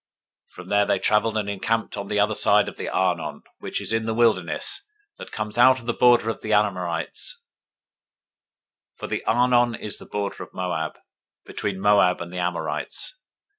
021:013 From there they traveled, and encamped on the other side of the Arnon, which is in the wilderness, that comes out of the border of the Amorites: for the Arnon is the border of Moab, between Moab and the Amorites.